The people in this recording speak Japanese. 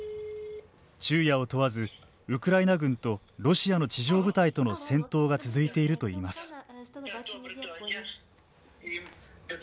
昼夜を問わず、ウクライナ軍とロシアの地上部隊との戦闘が続いているといいます。